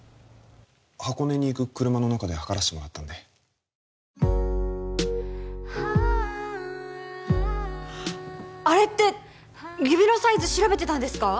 箱根に行く車の中で測らせてもらったんであれって指のサイズ調べてたんですか？